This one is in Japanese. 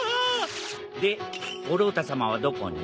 で五郎太さまはどこに？